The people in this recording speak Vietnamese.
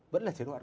vẫn là chế độ ăn